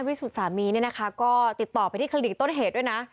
วิสุทธิ์สามีเนี่ยนะคะก็ติดต่อไปที่คลินิกต้นเหตุด้วยนะ